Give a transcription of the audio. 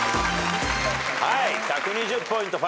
はい１２０ポイント。